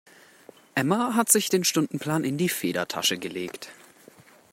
Emma hat sich den Stundenplan in die Federtasche gelegt.